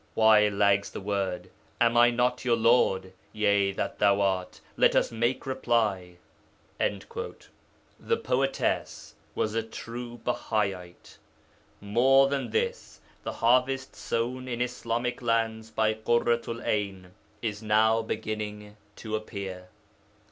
'Why lags the word, "Am I not your Lord"? "Yea, that thou art," let us make reply.' The poetess was a true Bahaite. More than this; the harvest sown in Islamic lands by Ḳurratu'l 'Ayn is now beginning to appear.